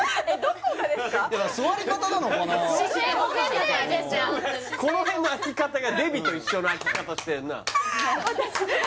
この辺の開き方がデヴィと一緒の開き方してるな私